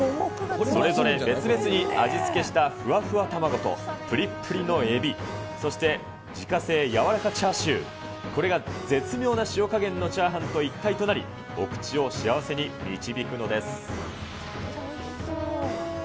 それぞれ別々に味付けしたふわふわ卵とぷりっぷりのエビ、そして自家製柔らかチャーシュー、これが絶妙な塩加減のチャーハンと一体となり、お口を幸せに導くのです。